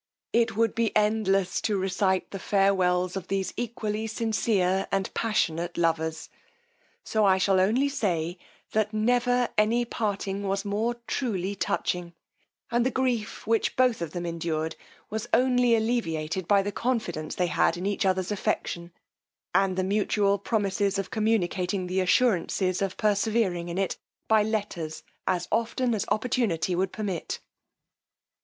It would be endless to recite the farewels of these equally sincere, and passionate lovers; so I shall only say that never any parting was more truly touching; and the grief, which both of them endured, was only alleviated by the confidence they had in each other's affection, and the mutual promises of communicating the assurances of persevering in it, by letters as often as opportunity would permit.